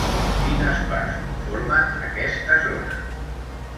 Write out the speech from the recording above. Quines parts conformen aquesta zona?